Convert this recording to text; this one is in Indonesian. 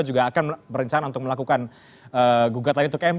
juga akan berencana untuk melakukan gugatan itu ke mk